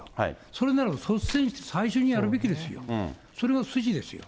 それなら率先して最初にやるべきですよ、それが筋ですよ。